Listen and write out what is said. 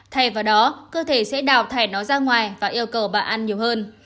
thay vào đó cơ thể sẽ đào thẻ nó ra ngoài và yêu cầu bạn ăn nhiều hơn